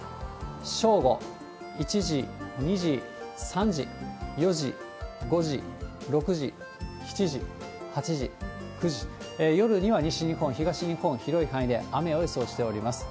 正午、１時、２時、３時、４時、５時、６時、７時、８時、９時、夜には西日本、東日本、広い範囲で雨を予想しております。